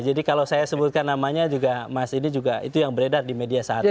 jadi kalau saya sebutkan namanya juga mas ini juga itu yang beredar di media saat ini